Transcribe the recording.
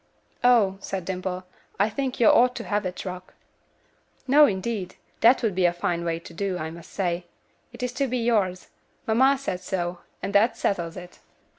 "Oh!" said Dimple. "I think you ought to have it, Rock." "No, indeed. That would be a fine way to do, I must say. It is to be yours. Mamma said so, and that settles it."